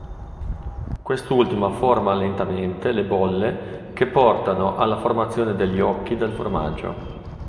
Quest'ultima forma lentamente le bolle che portano alla formazione degli "occhi" del formaggio.